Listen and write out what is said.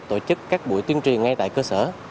tổ chức các buổi tuyên truyền ngay tại cơ sở